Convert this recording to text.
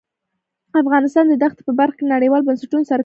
افغانستان د دښتې په برخه کې نړیوالو بنسټونو سره کار کوي.